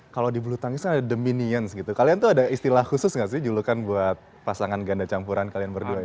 kalau di blue tanks kan ada dominions gitu kalian tuh ada istilah khusus gak sih julukan buat pasangan ganda campuran kalian berdua ini